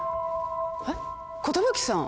えっ寿さん。